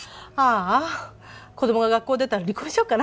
あ子どもが学校出たら離婚しちゃおうかな。